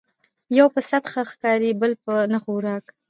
ـ يو په سعت ښه ښکاري بل په نه خوراک